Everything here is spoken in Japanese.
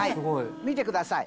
見てください。